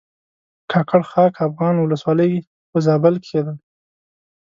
کاکړ خاک افغان ولسوالۍ په زابل کښې ده